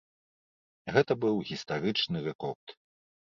Гэта быў гістарычны рэкорд.